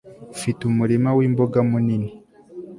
ufite umurima wi mboga munini